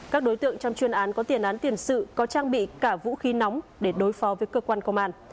các đối tượng trong chuyên án có tiền án tiền sự có trang bị cả vũ khí nóng để đối phó với cơ quan công an